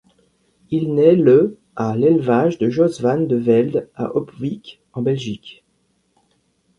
Il naît le à l'élevage de Jos van de Velde, à Opwijk en Belgique.